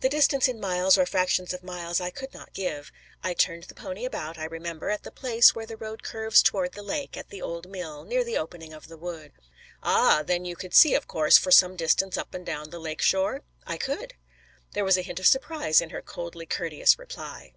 "The distance in miles, or fractions of miles, I could not give. I turned the pony about, I remember, at the place where the road curves toward the lake, at the old mill, near the opening of the wood." "Ah, then you could see, of course, for some distance up and down the lake shore?" "I could!" There was a hint of surprise in her coldly courteous reply.